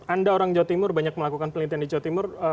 anda orang jawa timur banyak melakukan penelitian di jawa timur